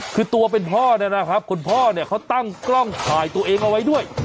คือตัวเป็นพ่อเนี่ยนะครับคุณพ่อเนี่ยเขาตั้งกล้องถ่ายตัวเองเอาไว้ด้วย